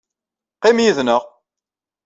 Qim yid-neɣ.